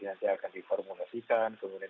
nanti akan diformulasikan kemudian